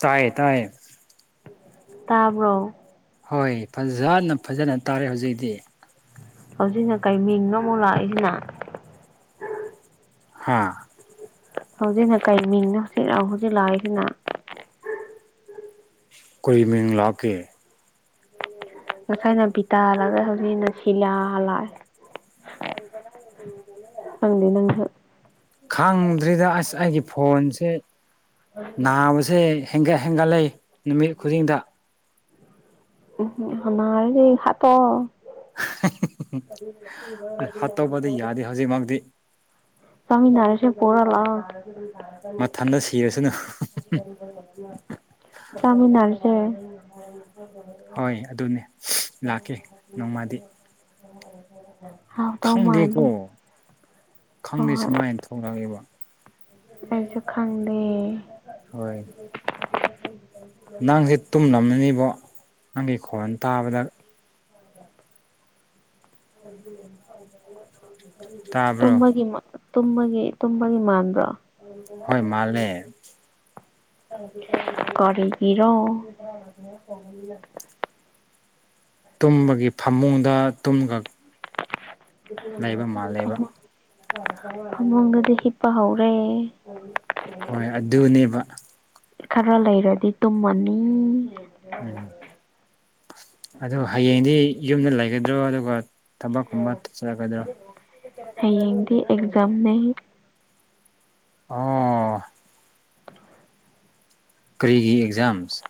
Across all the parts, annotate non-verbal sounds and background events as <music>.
ꯇꯌꯦ ꯇꯌꯦ ꯇꯥꯕ꯭ꯔꯣ ꯍꯣꯏ ꯐꯖꯅ ꯐꯖꯅ ꯇꯥꯔꯦ ꯍꯧꯖꯤꯛꯇꯤ ꯍꯧꯖꯤꯛꯅ ꯀꯩ ꯃꯤꯡꯅꯣ ꯑꯃꯨꯛ ꯂꯥꯛꯏꯁꯤꯅ ꯍꯥꯥ ꯍꯧꯖꯤꯛꯅ ꯀꯩ ꯃꯤꯡꯅꯣ ꯍꯧꯖꯤꯛ ꯂꯥꯛꯑꯣ ꯍꯧꯖꯤꯛ ꯂꯥꯛꯑꯣꯏꯁꯤꯅ ꯀ ꯃꯤ ꯂꯥꯛꯀ ꯉꯁꯥꯏꯅ ꯕꯤꯇꯥꯍꯜꯂꯒ ꯍꯧꯖꯤꯛꯅ ꯁꯤꯂꯥꯂꯥꯛꯑꯦ ꯑꯪꯗꯤ ꯅꯪꯍ ꯈꯪꯗ꯭ꯔꯤꯗ ꯑꯁ ꯑꯩꯒꯤ ꯐꯣꯟꯁꯦ ꯅꯥꯕꯁꯦ ꯍꯦꯟꯒꯠ ꯍꯦꯟꯒꯠꯂꯛꯏ ꯅꯨꯃꯤꯠ ꯈꯨꯗꯤꯡꯗ ꯎ ꯍ ꯍꯥꯠꯇꯣ ꯍꯥꯠꯇꯧꯕꯗꯤ ꯌꯥꯗꯦ ꯍꯧꯖꯤꯛꯃꯛꯇꯤ ꯁꯃꯤ ꯅꯔꯦꯁꯦ ꯄꯔꯂꯥ ꯃꯊꯟꯇ ꯁꯤꯔꯁꯅꯨ ꯆꯃꯤꯅꯔ ꯎꯝ ꯍꯣꯏ ꯑꯗꯨꯅꯦ ꯂꯥꯛꯀꯦ ꯅꯣꯡꯃꯗꯤ ꯍꯥꯎ ꯇꯥꯎ ꯃꯥꯜꯂꯤ ꯍꯣꯏ ꯈꯪꯅꯩꯁꯨ ꯍꯣꯏ ꯃꯥꯏꯅ ꯊꯣꯡꯂꯑꯦꯕ ꯑꯩꯁꯨ ꯈꯪꯗꯦ ꯍꯣꯏ ꯅꯪꯁꯦ ꯇꯨꯝꯂꯝꯅꯤꯕꯣ ꯅꯪꯒꯤ ꯈꯣꯟ ꯇꯥꯕꯗ ꯍ ꯇꯥꯕ꯭ꯔꯣ ꯇꯃ ꯒꯤꯃ ꯇꯨꯝꯃꯒꯤ ꯇꯨꯝꯕꯒꯤ ꯃꯥꯟꯗ꯭ꯔꯣ ꯍꯣꯏ ꯃꯥꯂꯦ ꯀ ꯄꯔꯣ ꯇꯨꯝꯕꯒꯤ ꯐꯃꯨꯡꯗ ꯇꯨꯝꯒ ꯂꯩꯕ ꯃꯥꯜꯂꯦꯕ ꯃ ꯐꯃꯨꯡꯗꯗꯤ ꯍꯤꯠꯄ ꯍꯧꯔꯦ ꯍꯣꯏ ꯑꯗꯨꯅꯦꯕ ꯈꯔ ꯂꯩꯔꯗꯤ ꯇꯨꯝꯃꯅꯤ ꯑꯗꯨ ꯍꯌꯦꯡꯗꯤ ꯌꯨꯝꯗ ꯂꯩꯒꯗ꯭ꯔꯣ ꯑꯗꯨꯒ ꯊꯕꯛꯀꯨꯝꯕ ꯆꯠꯂꯛꯀꯗ꯭ꯔꯣ ꯍꯗꯤ ꯑꯦꯛꯖꯝ ꯅ ꯑ ꯀꯔꯤꯒꯤ ꯑꯦꯛꯖꯥꯝꯁ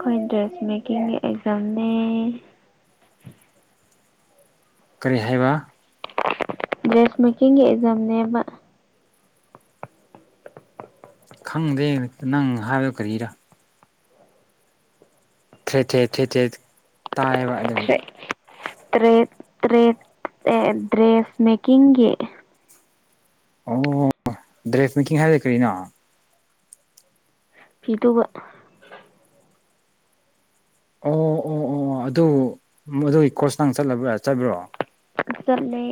ꯑꯩꯈꯣꯏ ꯗ꯭ꯔꯦꯁ ꯃꯦꯀꯤꯡꯒꯤ ꯑꯦꯛꯖꯝꯅꯦ ꯀꯔꯤ ꯍꯥꯏꯕ ꯗ꯭ꯔꯦꯁꯃꯤꯀꯤꯡꯒꯤ ꯑꯦꯛꯖꯥꯝꯅꯦꯕ ꯈꯪꯗꯦ ꯅꯪ ꯍꯥꯏꯕ ꯀꯔꯤꯔꯥ ꯊ꯭ꯔꯦꯠ ꯊ꯭ꯔꯦꯠ ꯊ꯭ꯔꯦꯠ ꯊꯦꯠ ꯇꯥꯏꯕ ꯑꯗꯒꯤ ꯇ꯭ꯔꯦꯠ ꯇ꯭ꯔꯦꯠ ꯑꯦ ꯗ꯭ꯔꯦꯁ ꯃꯦꯀꯤꯡꯒꯤ ꯑꯣ ꯗ꯭ꯔꯦꯁ ꯃꯦꯀꯤꯡ ꯍꯥꯏꯔꯦ ꯀꯔꯤꯅꯣ ꯐꯤ ꯇꯕ ꯑꯣ ꯑꯣ ꯑꯣ ꯑꯣ ꯑꯗꯨ ꯑꯗꯨꯒꯤ ꯀꯣꯁꯇꯪ ꯆꯠꯂꯕ꯭ꯔꯥ ꯆꯠꯕ꯭ꯔꯣ ꯆꯂꯦ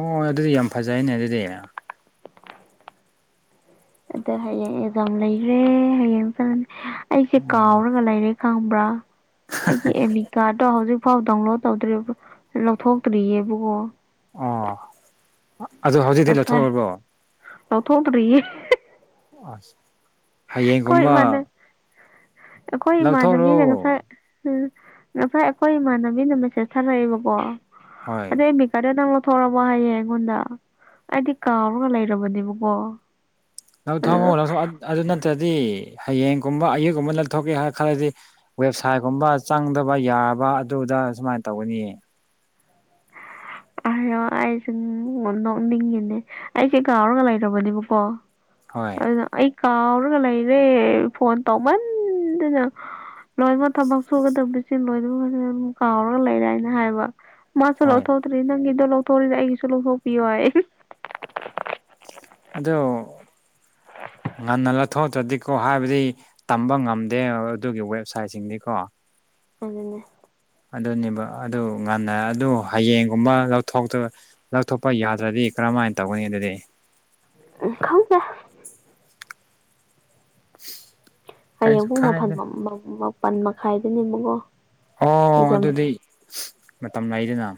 ꯑꯣꯣꯏ ꯑꯗꯨꯗꯤ ꯌꯥꯝ ꯐꯖꯩꯅꯦ ꯑꯗꯨꯗꯤ ꯑꯗ ꯍꯌꯦꯡ ꯑꯦꯛꯖꯥꯝ ꯂꯩꯈ꯭ꯔꯦ ꯍꯌꯦꯡ ꯑꯩꯁꯦ ꯑꯣ ꯀꯥꯎꯔꯒ ꯂꯩꯔꯦ ꯈꯪꯕ꯭ꯔꯥ ꯑꯗꯒꯤ ꯑꯦꯂꯤꯀꯥꯗꯣ ꯍꯧꯖꯤꯛ ꯐꯥꯎ ꯗꯥꯎꯟꯂꯣꯗ ꯇꯧꯗ꯭ꯔꯤꯕ ꯂꯧꯊꯣꯛꯇ꯭ꯔꯤꯑꯕꯀꯣ ꯑꯣ ꯑꯗꯨ ꯍꯧꯖꯤꯛꯇꯤ ꯂꯧꯊꯣꯛꯎꯔꯕꯣ ꯊꯣ ꯇꯔꯤꯌꯦ ꯑ ꯍꯌꯦꯡꯒꯨꯝꯕ ꯑꯩꯣꯏ ꯏꯃꯥꯟꯗ ꯂꯧꯊꯣꯛꯔꯣ ꯃꯤꯅꯦꯒꯁ ꯎꯝ ꯉ ꯐꯥꯏ ꯑꯩꯈꯣꯏ ꯏꯃꯥꯟꯅꯕꯤꯅ ꯃꯦꯁꯦꯁ ꯊꯥꯔꯛꯏꯕꯀꯣ ꯍꯣꯏ ꯑꯗ ꯏꯃꯤꯀꯥꯗ ꯅꯪ ꯊꯣꯔꯛꯃꯣ ꯍꯥꯏꯌꯦꯦ ꯑꯩꯉꯣꯟꯗ ꯑꯩꯗꯤ ꯀꯥꯎꯔꯒ ꯂꯩꯔꯕꯅꯦꯕꯀꯣ ꯂꯧ ꯑꯗꯨꯗ ꯊꯣꯡꯉ ꯂꯧ ꯑꯗꯨ ꯅꯠꯇ꯭ꯔꯗꯤ ꯍꯌꯦꯡꯒꯨꯝꯕ ꯑꯌꯨꯛꯒꯨꯝꯕ ꯂꯧꯊꯣꯛꯀꯦ ꯍꯥꯏ ꯈꯜꯂꯗꯤ ꯋꯦꯕꯁꯥꯏꯠꯒꯨꯝꯕ ꯆꯪꯗꯕ ꯌꯥꯕ ꯑꯗꯨꯗ ꯑ ꯁꯨꯃꯥꯏꯅ ꯇꯧꯒꯅꯤꯌꯦ ꯑꯔꯣ ꯑꯩꯁꯦ ꯅꯣꯛꯅꯤꯡꯉꯤꯅꯦ ꯑꯩꯁꯦ ꯀꯥꯎꯔꯒ ꯂꯩꯔꯕꯅꯦꯕꯀꯣ ꯍꯣꯏ ꯑꯗꯨꯅ ꯑꯩ ꯀꯥꯎꯔꯒ ꯂꯩꯔꯦ ꯐꯣꯟ ꯇꯧꯃꯟꯗꯅ ꯂꯣꯏꯅꯃꯛ ꯊꯕꯛ ꯁꯨꯒꯗꯕꯁ ꯂꯣꯏꯅꯃꯛ ꯐ ꯑꯗꯨꯝ ꯀꯥꯎꯔꯒ ꯂꯩꯔꯦ ꯍꯥꯏꯅ ꯍꯥꯏꯕ ꯃꯥꯁꯨ ꯍꯣꯏ ꯂꯧꯊꯣꯛꯇ꯭ꯔꯤ ꯅꯪꯒꯤꯗꯣ ꯂꯧꯊꯣꯛꯔꯤꯗ ꯑꯩꯒꯤꯁꯨ ꯂꯧꯊꯣꯛꯄꯤꯌꯣ ꯍꯥꯏ ꯑꯗꯣ ꯉꯟꯅ ꯂꯧꯊꯣꯛꯇ꯭ꯔꯗꯤꯀꯣ ꯍꯥꯏꯕꯗꯤ ꯇꯝꯕ ꯉꯝꯗꯦ ꯑꯗꯨꯒꯤ ꯋꯦꯕꯁꯥꯏꯠꯁꯤꯡꯗꯤꯀꯣ ꯑꯗꯨꯅꯦ ꯑꯗꯨꯅꯦꯕ ꯑꯗꯨ ꯉꯟꯅ ꯑꯗꯨ ꯍꯌꯦꯡꯒꯨꯝꯕ ꯂꯧꯊꯣꯛꯇ ꯂꯧꯊꯣꯛꯄ ꯌꯥꯗ꯭ꯔꯗꯤ ꯀꯔꯝ ꯀꯃꯥꯏꯅ ꯇꯧꯒꯅꯤ ꯑꯗꯨꯗꯤ ꯈꯪꯗ ꯀꯩꯁꯨ ꯍꯌꯦꯡ ꯄꯨꯡ ꯃꯥꯄꯜ ꯀꯥꯏꯗꯦ ꯃꯥꯄꯜ ꯃꯈꯥꯏꯗꯅꯦꯕꯀꯣ ꯑꯣ ꯑꯦꯛꯖꯥꯝꯗꯣ ꯑꯗꯨꯗꯤ ꯑ ꯃꯇꯝ ꯂꯩꯗꯅ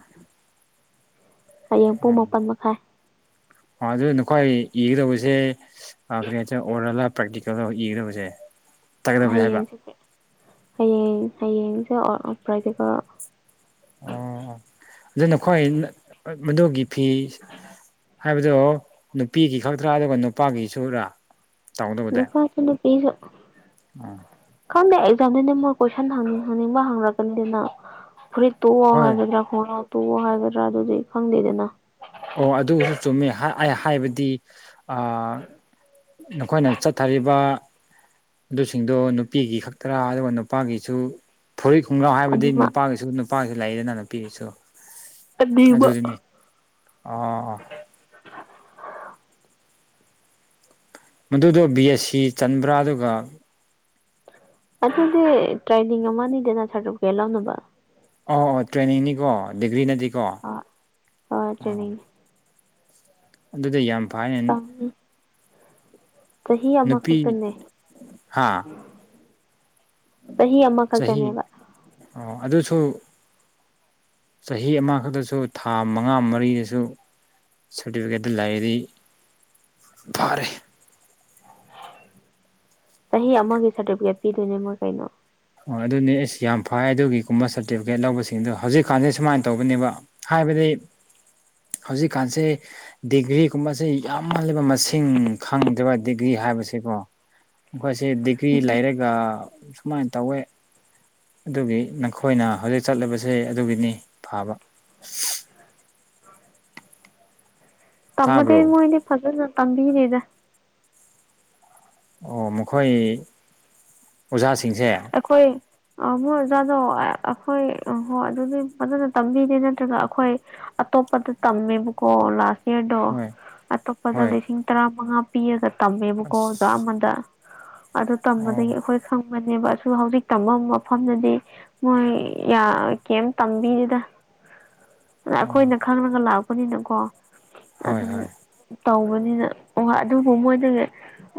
ꯍꯌꯦꯡ ꯄꯨꯡ ꯃꯥꯄꯟ ꯃꯈꯥꯏ ꯑꯗꯨ ꯅꯈꯣꯏ ꯏꯒꯗꯧꯕꯁꯦ ꯀꯩꯅꯇ ꯑꯣꯔꯂ ꯄ꯭ꯔꯦꯛꯇꯤꯀꯦꯜꯗ ꯏꯒꯗꯕꯁꯦ ꯇꯥꯒꯗꯕꯅꯤ ꯍꯥꯏꯕ ꯍꯌꯦꯡꯁꯦ ꯍꯌꯦꯡ ꯍꯌꯦꯡꯁꯦ꯭ꯔꯗꯤꯀ ꯑꯣ ꯑꯗꯨ ꯅꯈꯣꯏ ꯃꯗꯨꯒꯤ ꯐꯤ ꯍꯥꯏꯕꯗꯣ ꯅꯨꯄꯤꯒꯤ ꯈꯛꯇ꯭ꯔꯥ ꯑꯗꯨꯒ ꯅꯨꯄꯥꯒꯤ ꯁꯔꯥ ꯅꯨꯄꯥꯠꯇꯅ ꯄꯤꯖꯣ ꯑꯝ ꯈꯪꯗꯦ ꯑꯦꯛꯖꯥꯝꯗꯨꯗꯤ ꯃꯣꯏ ꯀꯣꯏꯁꯟ ꯍꯪꯅꯤꯡꯕ ꯍꯪꯉꯛꯀꯅꯤꯅ ꯐꯨꯔꯤꯠ ꯇꯣꯛꯑꯣ ꯍꯣꯏ ꯍꯥꯏꯒꯗ꯭ꯔꯥ ꯈꯣꯡꯅꯎ ꯇꯣꯛꯑꯣ ꯍꯥꯏꯒꯗ꯭ꯔꯥ ꯑꯗꯨꯗꯤ ꯈꯪꯗꯦꯗꯅ ꯑꯣ ꯑꯗꯨꯁꯨ ꯆꯨꯝꯃꯦ ꯑꯩ ꯍꯥꯏꯕꯗꯤ ꯅꯈꯣꯏꯅ ꯆꯠꯊꯔꯤꯕ ꯑꯗꯨꯁꯤꯡꯗꯣ ꯅꯨꯄꯤꯒꯤ ꯈꯛꯇꯔꯥ ꯑꯗꯨꯒ ꯅꯨꯄꯥꯒꯤꯁꯨ ꯐꯨꯔꯤ ꯈꯣꯡꯒ꯭ꯔꯥꯎ ꯍꯥꯏꯕꯗꯤ ꯑꯅꯤꯃꯛ ꯅꯨꯄꯥꯒꯤꯁꯨ ꯅꯨꯄꯥꯒꯤꯁꯨ ꯂꯩꯗꯅ ꯅꯨꯄꯤꯒꯤꯁꯨ ꯑꯕ ꯑꯥ ꯃꯗꯨꯗꯣ ꯕꯤ ꯑꯦꯁ ꯁꯤ ꯆꯟꯕ꯭ꯔꯥ ꯑꯗꯨꯒ ꯑꯗꯨꯗꯤ ꯇ꯭ꯔꯦꯅꯤꯡ ꯑꯃꯅꯤꯗꯅ ꯁꯥꯇꯒꯦ ꯂꯧꯥꯎꯅꯕ ꯑꯣ ꯑꯣ ꯇ꯭ꯔꯦꯅꯤꯡꯅꯤꯀꯣ ꯗꯤꯒ꯭ꯔꯤꯅꯗꯤ ꯑ ꯍ ꯇ꯭ꯔꯅꯤꯡ ꯑꯗꯨꯗ ꯌꯥꯝ ꯐꯅ ꯆꯍꯤ ꯑꯃꯈꯛꯇꯅꯦ ꯍꯥꯥ ꯆꯍꯤ ꯆꯍꯤ ꯑꯃꯈꯛꯇꯅꯦꯕ ꯑꯣ ꯑꯗꯨꯁꯨ ꯆꯍꯤ ꯑꯃꯈꯛꯇꯁꯨ ꯊꯥ ꯃꯉꯥ ꯃꯔꯤꯗꯁꯨ ꯁꯔꯇꯤꯐꯀꯦꯠ ꯂꯥꯛꯗꯤ ꯐꯔꯦ ꯆꯍꯤ ꯑꯃꯒꯤ ꯁꯥꯔꯇꯤꯐꯤꯀꯦꯠ ꯄꯤꯗꯣꯏꯅꯦ ꯃꯣꯏ ꯀꯩꯅꯣ ꯑꯣ ꯑꯗꯨꯅꯦ ꯑꯦꯁ ꯌꯥꯝ ꯐꯩ ꯑꯗꯨꯒꯤꯒꯨꯝꯕ ꯁꯥꯔꯇꯤꯐꯤꯀꯦꯠ ꯂꯧꯕꯁꯤꯡꯗꯣ ꯍꯧꯖꯤꯛꯀꯥꯟꯁꯦ ꯁꯨꯃꯥꯏꯅ ꯇꯧꯕꯅꯦꯕ ꯌꯥꯕꯗꯤ ꯍꯧꯖꯤꯛꯀꯥꯟꯁꯦ ꯗꯤꯒ꯭ꯔꯤꯒꯨꯝꯕꯁꯦ ꯌꯥꯝꯃꯜꯂꯤꯕ ꯃꯁꯤꯡ ꯈꯪꯗ꯭ꯔꯕ ꯗꯤꯒ꯭ꯔꯤ ꯍꯥꯏꯕꯁꯀꯣ ꯃꯈꯣꯏꯁꯦ ꯗꯤꯒ꯭ꯔꯤ ꯎꯝ ꯂꯩꯔꯒ ꯁꯨꯃꯥꯏꯅ ꯇꯧꯋꯦ ꯑꯗꯨꯒꯤ ꯅꯈꯣꯏꯅ ꯍꯧꯖꯤꯛ ꯆꯠꯂꯕꯁꯦ ꯑꯗꯨꯒꯤꯅꯤ ꯐꯥꯕ ꯇꯝꯃꯗꯤꯩ ꯇꯥꯕ꯭ꯔꯣ ꯃꯣꯏꯗꯤ ꯐꯖꯅ ꯇꯝꯕꯤꯔꯤꯦꯗ ꯑꯣ ꯃꯈꯣꯏ ꯑꯣꯖꯥꯁꯤꯡꯁꯦ ꯑ ꯃꯣꯏ ꯑꯣꯖꯥꯗꯣ ꯑꯩꯈꯣꯏ ꯍꯣꯏ ꯑꯗꯨꯗꯤ ꯐꯖꯅ ꯇꯝꯕꯤꯗꯦ ꯅꯠꯇ꯭ꯔꯒ ꯑꯩꯈꯣꯏ ꯣ ꯄ ꯇꯃꯦꯕꯨꯀꯣ ꯂꯥꯁ ꯍꯌꯔꯗꯣ ꯍꯣꯏ ꯑꯇꯣꯞꯄꯗ ꯍꯣꯏ ꯂꯤꯁꯤꯡ ꯇꯔꯥ ꯃꯉꯥ ꯄꯤꯔꯒ ꯇꯝꯃꯦꯕꯀꯣ ꯑꯣꯖꯥ ꯑꯁ ꯑꯃꯗ ꯑꯗꯨ ꯇꯝꯕꯗꯒꯤ ꯑꯣ ꯑꯩꯈꯣꯏ ꯈꯪꯕꯅꯦꯕ ꯑꯗꯨ ꯍꯧꯖꯤꯛ ꯇꯝꯕ ꯃꯐꯝꯗꯗꯤ ꯃꯣꯏ ꯀꯔꯤꯝ ꯇꯝꯕꯤꯔꯤꯗ <inaudible> ꯑꯗ ꯑꯣ ꯑꯩꯈꯣꯏꯅ ꯈꯪꯉꯒ ꯂꯥꯛꯄꯅꯤꯅꯀꯣ ꯍꯣꯏ ꯍꯣꯏ ꯑꯗꯨꯝ ꯇꯧꯕꯅꯤꯅ ꯑꯣ ꯑꯗꯨꯕꯨ ꯃꯣꯏꯗꯒꯤ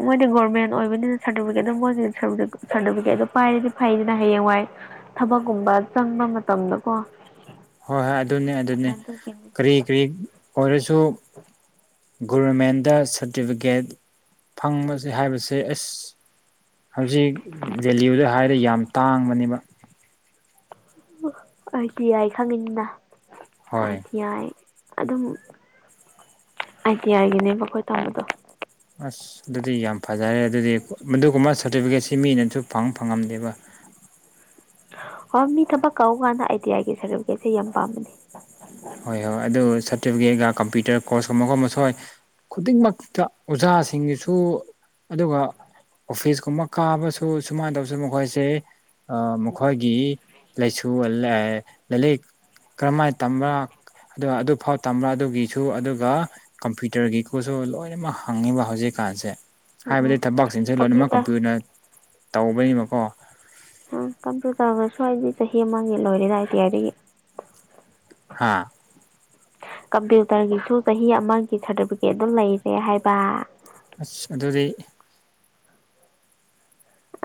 ꯃꯣꯏꯗꯤ ꯒꯣꯔꯃꯦꯟ ꯑꯣꯏꯕꯅꯤꯅꯔꯇꯤꯐꯤꯀꯦꯠ ꯃꯣꯏꯒꯤꯔꯇꯤꯐꯤꯀꯦꯠ ꯄꯥꯏꯔꯗꯤ ꯐꯩꯗꯅ ꯍꯌꯦꯡꯋꯥꯏ ꯊꯕꯛꯀꯨꯝꯕ ꯆꯪꯕ ꯃꯇꯝꯗꯀꯣ ꯍꯣꯏ ꯍꯣꯏ ꯑꯗꯨꯅꯦ ꯑꯗꯨꯅꯤ ꯑꯗꯨꯒꯤꯅꯤ ꯀꯔꯤ ꯀꯔꯤ ꯑꯣꯏꯔꯁꯨ ꯒꯣꯚꯔꯃꯦꯟꯗ ꯁꯥꯔꯇꯤꯐꯤꯀꯦꯠ ꯐꯪꯕꯁꯦ ꯍꯥꯏꯕꯁꯦ ꯑꯦꯁ ꯍꯧꯖꯤꯛ ꯚꯦꯂꯨꯗ ꯍꯥꯏꯔꯦ ꯌꯥꯝ ꯇꯥꯡꯕꯅꯦꯕ ꯑꯥꯏ ꯇꯤ ꯑꯥꯏ ꯈꯪꯉꯤꯅꯤꯅ ꯑꯥꯏ ꯍꯣꯏ ꯇꯤ ꯑꯥꯏ ꯑꯗꯨꯝ ꯑꯥꯏ ꯇꯤ ꯑꯥꯏꯒꯤꯅꯦꯕ ꯑꯩꯈꯣꯏ ꯇꯧꯕꯗꯣ ꯑꯁ ꯑꯗꯨꯗꯤ ꯌꯥꯝ ꯐꯖꯔꯦ ꯑꯗꯨꯗꯤ ꯃꯗꯨꯒꯨꯝꯕ ꯁꯥꯔꯇꯤꯐꯤꯀꯦꯠꯁꯤ ꯃꯤꯅꯁꯨ ꯐꯪ ꯐꯪꯉꯝꯗꯦꯕ <inaudible> ꯍꯣꯏ ꯃꯤ ꯊꯕꯛ ꯀꯧꯀꯥꯟꯗ ꯑꯥꯏ ꯇꯤ ꯑꯥꯏꯒꯤ ꯁꯥꯔꯇꯤꯐꯤꯀꯦꯠꯁꯦ ꯌꯥꯝ ꯄꯥꯝꯕꯅꯤ ꯁꯤꯠꯒ ꯀꯝꯄ꯭ꯌꯇꯔ ꯀꯣꯔꯁꯀꯨꯝꯕꯒꯨꯝꯕ ꯁꯣꯏ ꯈꯨꯗꯤꯡꯃꯛꯇ ꯑꯣꯖꯥꯁꯤꯡꯒꯤꯁꯨ ꯑꯗꯨꯒ ꯑꯣꯐꯤꯁꯀꯨꯝꯕ ꯀꯥꯕꯁꯨ ꯁꯨꯃꯥꯏꯅ ꯇꯧꯁꯨ ꯃꯈꯣꯏꯁꯦ ꯃꯈꯣꯏꯒꯤ ꯂꯥꯏꯁꯨ ꯂꯥꯏꯔꯤꯛ ꯀꯔꯝꯍꯥꯏꯅ ꯇꯝꯕ ꯑ ꯑꯗꯨꯐꯥꯎ ꯇꯝꯕ꯭ꯔꯥ ꯑꯗꯨꯒꯤꯁꯨ ꯑꯗꯨꯒ ꯀꯝꯄ꯭ꯌꯨꯇꯔꯒꯤꯀꯁꯨ ꯂꯣꯏꯅꯃꯛ ꯍꯪꯉꯤꯕ ꯍꯧ ꯍꯧꯖꯤꯛꯀꯥꯟꯁꯦ ꯍꯥꯏꯕꯗꯤ ꯎꯝ ꯊꯕꯛꯁꯤꯡꯁꯦ ꯂꯣꯏꯅꯃꯛ ꯀꯝꯄ꯭ꯌꯨꯇꯔ ꯇꯧꯕꯅꯤꯕꯀꯣ ꯎ ꯀꯝꯄ꯭ꯨ ꯇꯧꯒꯁꯨꯋꯥꯏꯗꯤ ꯆꯍꯤ ꯑꯃꯒꯤ ꯂꯣꯏꯔꯦ ꯏ ꯇꯤ ꯑꯒꯤ ꯍꯥꯥ ꯀꯝꯄ꯭ꯌꯨꯇꯔꯒꯤꯁꯨ ꯆꯍꯤ ꯑꯃꯒꯤ ꯁꯥꯔꯇꯤꯐꯤꯀꯦꯠ ꯑꯗꯨꯝ ꯂꯩꯔꯦ ꯍꯥꯏꯕ ꯑꯗꯨꯗꯤ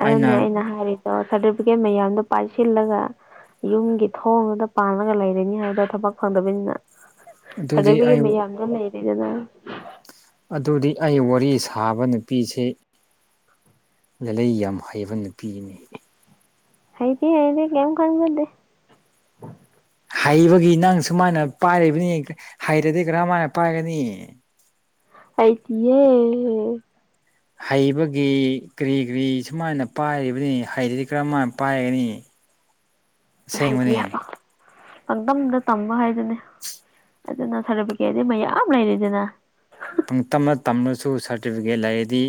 ꯑꯗꯨꯅꯦ ꯑꯩꯅ ꯍꯥꯏꯔꯤꯗꯣ ꯁꯥꯔꯇꯤꯐꯤꯀꯦꯠ ꯃꯌꯥꯝꯗꯣ ꯄꯥꯏꯁꯤꯜꯂꯒ ꯌꯨꯝꯒꯤ ꯊꯣꯡꯗꯨꯗ ꯄꯥꯜꯂꯒ ꯂꯩꯔꯅꯤ ꯍꯥꯏꯕꯗ ꯊꯕꯛ ꯐꯪꯗꯕꯅꯤꯅ ꯆ ꯄ ꯑꯗꯨꯗꯤ ꯑꯩ ꯃ ꯌꯥꯝꯗ ꯂꯩꯔꯗꯗ ꯑꯗꯨꯗꯤ ꯑꯩ ꯋꯥꯔꯤ ꯁꯥꯕ ꯅꯨꯄꯤꯁꯤ ꯂꯂꯩ ꯌꯥꯝ ꯍꯩꯕ ꯅꯨꯄꯤꯅꯤ ꯍꯩꯗꯤ ꯍꯗꯤ ꯀꯦꯝ ꯀꯥꯟꯕꯗꯦ ꯍꯩꯕꯒꯤ ꯅꯪ ꯁꯨꯃꯥꯏꯅ ꯄꯥꯏꯔꯤꯕꯅꯤ ꯍꯩꯔꯗꯤ ꯀꯔꯃꯥꯏꯅ ꯄꯥꯏꯒꯅꯤ ꯑꯗꯤꯌꯦꯦ ꯍꯩꯕꯒꯤ ꯀꯔꯤ ꯀꯔꯤ ꯁꯨꯃꯥꯏꯅ ꯄꯥꯏꯔꯤꯕꯅꯤ ꯍꯩꯗꯗꯤ ꯀꯔꯝꯃꯥꯏꯅ ꯄꯥꯏꯒꯅꯤ <inaudible> ꯍꯥꯏꯗꯤꯕ ꯑꯁꯦꯡꯕꯅꯤ ꯄꯪꯗꯝꯝꯗ ꯇꯝꯕ ꯍꯥꯏꯗꯨꯅꯦ ꯑꯗꯨ ꯅ ꯊꯔꯄꯒꯦ ꯍꯥꯏꯗꯤ ꯃꯌꯥꯝ ꯂꯩꯔꯤꯗꯅ ꯄꯨꯡ ꯇꯝꯅ ꯇꯝꯅꯁꯨ ꯁꯥꯔꯇꯤꯐꯤꯀꯦꯠ ꯂꯩꯔꯗꯤ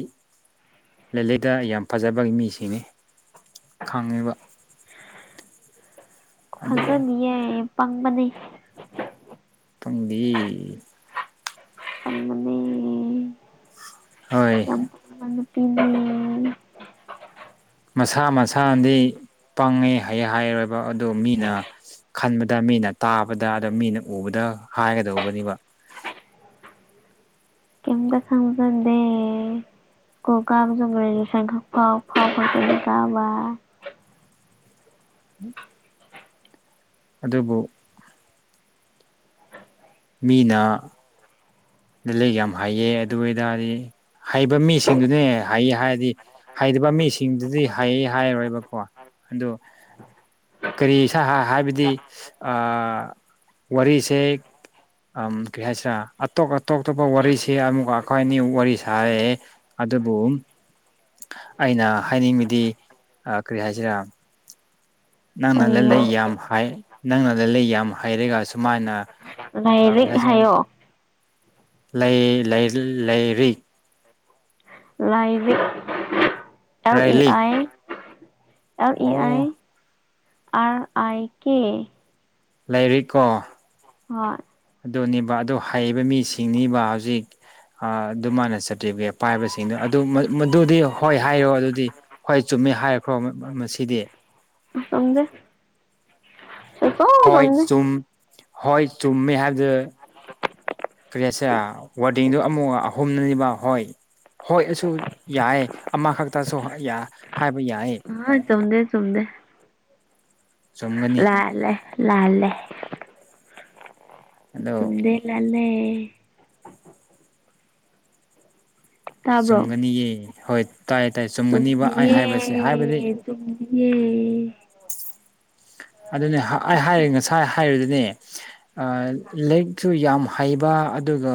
ꯂꯤꯂꯗ ꯌꯥꯝ ꯐꯖꯕꯒꯤ ꯃꯤꯁꯤꯡꯅꯤ ꯈꯪꯉꯤꯕ <inaudible> ꯐꯪꯖꯅꯤꯌꯦ ꯄꯪꯕꯅꯦ ꯄꯪꯗꯤ ꯅꯤ ꯍꯣꯏ ꯄ ꯃꯁꯥ ꯃꯁꯥꯅꯗꯤ ꯄꯪꯉꯦ ꯍ ꯍꯥꯏꯔꯣꯏꯕ ꯑꯗꯨ ꯃꯤꯅ ꯈꯟꯕꯗ ꯃꯤꯅ ꯇꯥꯕꯗ ꯑꯗ ꯃꯤꯅ ꯎꯕꯗ ꯍꯥꯏꯒꯗꯧꯕꯅꯤꯕ <unintelligible> ꯗꯦ꯫ ꯀꯣ ꯀꯝꯖꯒ ꯁ ꯈ ꯐꯥꯎ ꯐꯥꯎ ꯐꯥꯎꯗꯤ ꯀꯃꯥꯏ <inaudible> ꯑꯗꯨꯕꯨ ꯃꯤꯅꯥ ꯅ ꯂꯩ ꯌꯥꯝ ꯍꯥꯏꯑꯌꯦ ꯑꯗꯨ ꯑꯣꯏꯇꯥꯔꯗꯤ ꯍꯩꯕ ꯃꯤꯁꯤꯡꯗꯨꯅꯦ ꯍꯩ ꯍꯥꯏꯔꯗꯤ ꯍꯩꯇꯕ ꯃꯤꯁꯤꯡꯗꯨꯗꯤ ꯍꯩ ꯍꯥꯏꯔꯣꯏꯕꯀꯣ꯫ ꯑꯗꯣ ꯀꯔꯤ ꯏꯁꯥ ꯍꯥꯏꯕꯗꯤ ꯑꯥ ꯋꯥꯔꯤꯁꯦ ꯀꯔꯤ ꯍꯥꯏꯁꯤꯔꯥ ꯑꯇꯣꯞ ꯑꯇꯣꯞ ꯑꯇꯣꯞꯄ ꯋꯥꯔꯤꯁꯦ ꯑꯃꯨꯛꯀ ꯑꯩꯈꯣꯏ ꯑꯅꯤ ꯋꯥꯔꯤ ꯁꯥꯏꯌꯦ ꯑꯗꯨꯕꯨ ꯑꯩꯅ ꯍꯥꯏꯅꯤꯡꯕꯗꯤ ꯀꯔꯤ ꯍꯥꯏꯁꯤꯔꯥ ꯅꯪꯅ ꯀꯔꯤꯅꯣ ꯂꯂꯩ ꯌꯥꯝ ꯅꯪꯅ ꯂꯂꯩ ꯌꯥꯝ ꯍꯩꯔꯒ ꯁꯨꯃꯥꯏꯅ ꯂꯔꯤꯛ ꯍꯥꯏꯌꯣ ꯂꯩ ꯂꯩ ꯂꯩꯔꯤꯛ꯫ ꯂꯥꯏꯚꯛ ꯑꯦꯜ ꯏ ꯂꯥꯏꯔꯤꯛ ꯑꯥꯏ ꯂ ꯏ ꯑꯥꯏ ꯑꯣ ꯔ ꯑꯥꯏ ꯀꯦ꯫ ꯂꯩꯔꯤꯛꯀꯣ꯫ ꯍꯣꯏ ꯑꯗꯨꯅꯦꯕ ꯑꯗꯨ ꯍꯩꯕ ꯃꯤꯁꯤꯡꯅꯤꯕ ꯍꯧꯖꯤꯛ ꯑꯗꯨꯃꯥꯏꯅ ꯁꯠꯇꯕꯤꯒꯦꯠ ꯄꯥꯏꯕꯁꯤꯡꯗꯣ ꯑꯗꯨ ꯃꯗꯨꯗꯤ ꯍꯣꯏ ꯍꯥꯏꯌꯣ ꯑꯗꯨꯗꯤ ꯍꯣꯏ ꯆꯨꯝꯃꯦ ꯍꯥꯏꯔꯈ꯭ꯔꯣ ꯃꯁꯤꯗꯤ ꯆꯨꯝꯗꯦ ꯁꯨꯛꯆꯨꯝ ꯍꯣꯏ ꯆꯨꯝꯗꯦ ꯆꯨꯝ ꯍꯣꯏ ꯆꯨꯝꯃꯦ ꯍꯥꯏꯕꯗꯨ ꯀꯔꯤꯁ <unintelligible> ꯋꯥꯔꯗꯤꯡꯗꯨꯣ ꯑꯃꯨꯛ ꯑꯍꯨꯝꯅꯅꯦꯕ ꯍꯣꯏ ꯍꯣꯏ ꯑꯁꯨ ꯌꯥꯏꯦ꯫ ꯑꯃ ꯈꯛꯇꯁꯨ ꯌꯥ ꯑ ꯆꯨꯝꯗꯦ ꯆꯨꯝꯗꯦ꯫ ꯆꯨꯝꯒꯅꯤ ꯂꯥꯜꯂꯦ ꯂꯥꯜꯂꯦ꯫ ꯑꯗꯣ ꯆꯨꯝꯗꯦ ꯂꯥꯜꯂꯦ꯫ ꯇꯥꯕ꯭ꯔꯣ ꯆꯨꯝꯒꯅꯤꯌꯦ ꯍꯣꯏ ꯇꯥꯏ ꯇꯥꯏ ꯆꯨꯝꯒꯅꯤꯕ ꯑꯩ ꯍꯥꯏꯕꯁꯦ ꯍꯥꯏꯕꯗꯤ ꯑꯦ <unintelligible> ꯑꯗꯨꯅꯦ ꯑꯩꯅ ꯉꯁꯥꯏ ꯍꯥꯏꯔꯤꯗꯨꯅꯦ ꯂꯥꯏꯔꯤꯛꯁꯨ ꯌꯥꯝ ꯍꯩꯕ ꯑꯗꯨꯒ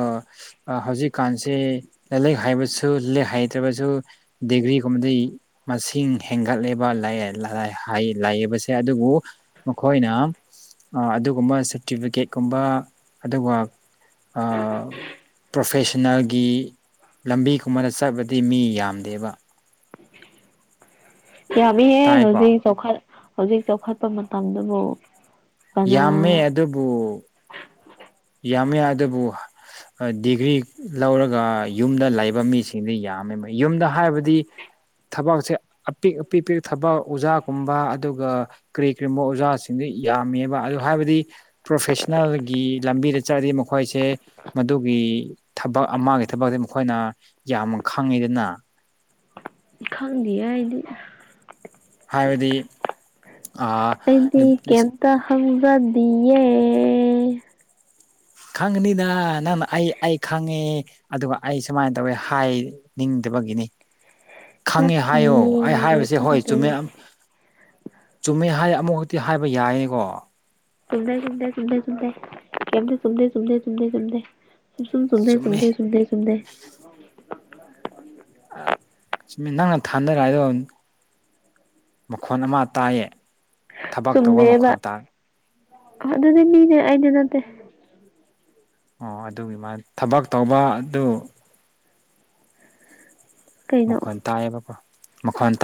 ꯍꯧꯖꯤꯛꯀꯥꯟꯁꯦ ꯂꯥꯏꯂꯛ ꯍꯩꯕꯁꯨ ꯍꯩꯇ꯭ꯔꯕꯁꯨ ꯇꯤꯕꯤꯒꯨꯝꯕꯗꯤ ꯃꯁꯤꯡ ꯍꯦꯟꯒꯠꯂꯦꯕ ꯂꯥꯏ ꯍꯥꯏꯑꯦ ꯂꯥꯏꯌꯦꯡꯕꯁꯦ ꯑꯗꯨꯕꯨ ꯃꯈꯣꯏꯅ ꯑꯗꯨꯒꯨꯝꯕ ꯁꯥꯔꯇꯤꯐꯤꯀꯦꯠꯀꯨꯝꯕ ꯑꯗꯨꯒ ꯄ꯭ꯔꯣꯐꯦꯁꯟꯅꯦꯜꯒꯤ ꯂꯝꯕꯤꯒꯨꯝꯕꯗ ꯆꯠꯄꯗꯤ ꯃꯤ ꯌꯥꯝꯗꯦꯕ꯫ ꯌꯥꯝꯃꯤꯍꯦ ꯇꯥꯏꯀꯣ ꯍꯧꯖꯤꯛ ꯆꯥꯎꯈꯠ ꯍꯧꯖꯤꯛ ꯆꯥꯎꯈꯠꯄ ꯃꯇꯝꯗꯨꯕꯨ꯫ ꯀꯅꯥ ꯌꯥꯝꯃꯦ ꯑꯗꯨꯕꯨ ꯌꯥꯝ ꯑꯗꯨꯕꯨ ꯗꯤꯒ꯭ꯔꯤ ꯂꯧꯔꯒ ꯌꯨꯝꯗ ꯂꯩꯕ ꯃꯤꯁꯤꯡꯗ ꯌꯥꯝꯃꯦꯕ ꯌꯨꯝꯗ ꯍꯥꯏꯕꯗꯤ ꯊꯕꯛꯁꯦ ꯑꯄꯤꯛ ꯑꯄꯤꯛ ꯄ ꯊꯕꯛ ꯑꯣꯖꯥꯒꯨꯝꯕ ꯑꯗꯨꯒ ꯀꯔꯤ ꯀꯔꯤꯒꯨꯝꯕ ꯑꯣꯖꯥꯁꯤꯡꯗꯤ ꯌꯥꯝꯃꯦꯕ ꯑꯗ ꯍꯥꯏꯕꯗꯤ ꯄ꯭ꯔꯣꯐꯦꯁꯅꯦꯜꯒꯤ ꯂꯝꯕꯤꯗ ꯆꯠꯂꯗꯤ ꯃꯈꯣꯏꯁꯦ ꯃꯗꯨꯒꯤ ꯊꯕꯛ ꯑꯃꯒꯤꯥꯊꯕꯛꯁꯦ ꯃꯈꯣꯏꯅ ꯌꯥꯝ ꯃꯛ ꯈꯪꯉꯤꯗꯅꯥ ꯈꯪꯗꯤꯑꯦ ꯑꯩ ꯗꯤ꯫ ꯍꯥꯏꯕꯗꯤ <unintelligible> ꯑꯩꯗꯤ ꯀꯩꯑꯦꯝꯇ ꯍꯪ ꯐꯗꯤꯑꯦ ꯈꯪꯅꯤꯗ ꯅꯪꯅ ꯑꯩ ꯑꯩ ꯈꯪꯉꯦ ꯑꯗꯨꯒ ꯑꯩ ꯁꯨꯃꯥꯏꯅ ꯇꯧꯋꯦ ꯍꯥꯏꯅꯤꯡ ꯇꯕꯒꯤꯅꯤ ꯈꯪꯉꯦ ꯍꯥꯏꯌꯣ ꯑꯩ ꯅꯠꯇꯤꯌꯦ ꯍꯥꯏꯔꯤꯕꯁꯦ ꯍꯣꯏ ꯈꯪꯗꯦ ꯆꯨꯝꯃꯦ ꯆꯨꯝꯃꯦ ꯍꯥꯏ ꯑꯃꯨꯛ ꯍꯛꯇꯤ ꯍꯥꯏꯕ ꯌꯥꯏꯌꯦꯀꯣ꯫ ꯆꯨꯝꯗꯦ ꯆꯨꯝꯗꯦ ꯆꯨꯝꯗꯦ ꯆꯨꯝꯗꯦ ꯀꯩꯑꯝꯇ ꯆꯨꯝꯗꯦ ꯆꯨꯝꯗꯦ ꯆꯨꯝꯗꯦ ꯆꯨꯝꯗꯦ꯫ ꯨꯁꯨꯝ ꯁꯗꯦ ꯆꯨꯝꯃꯦ ꯁꯟꯗꯦ ꯁꯨꯝꯗꯦ ꯁꯨꯝꯗꯦ ꯆꯨꯝꯃꯤ ꯅꯪꯅ ꯊꯥꯅꯔ ꯍꯥꯏꯗꯣ ꯃꯈꯣꯟ ꯑꯃ ꯇꯥꯏꯌꯦ ꯊꯕꯛ ꯇꯧꯕ ꯆꯨꯝꯗꯦꯕ ꯃꯈꯣꯟ ꯇꯥꯏ ꯑꯗꯨꯗꯤ ꯅꯅꯦ ꯑꯩꯗ ꯅꯠꯇꯦ ꯑꯣ ꯑꯗꯨꯒꯤ ꯃꯥ ꯊꯕꯛ ꯇꯧꯕ ꯑꯗꯨ ꯀꯩꯅꯣ ꯃꯈꯣꯟ ꯇꯥꯏꯑꯌꯦ ꯃꯈꯣꯟ ꯇ